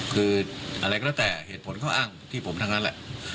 คืออะไรก็แล้วแต่เหตุผลเขาอ้างที่ผมทั้งนั้นแหละ